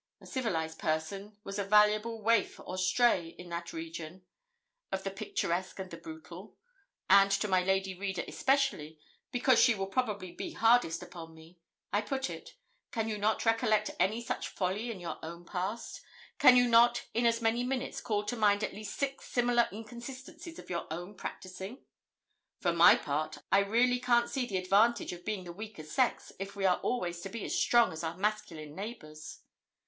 A civilised person was a valuable waif or stray in that region of the picturesque and the brutal; and to my lady reader especially, because she will probably be hardest upon me, I put it can you not recollect any such folly in your own past life? Can you not in as many minutes call to mind at least six similar inconsistencies of your own practising? For my part, I really can't see the advantage of being the weaker sex if we are always to be as strong as our masculine neighbours.